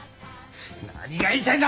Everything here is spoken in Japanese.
何が言いたいんだ！？